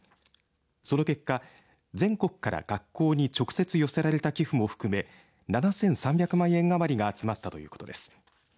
その結果、全国から学校に直接寄せられた寄付も含め７３００万円余りが集まったということです。